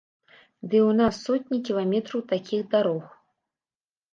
Ды і ў нас сотні кіламетраў такіх дарог.